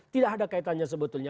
tidak ada kaitannya sebetulnya